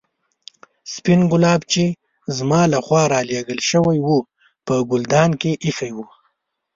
سپين ګلاب چې زما له خوا رالېږل شوي وو په ګلدان کې ایښي وو.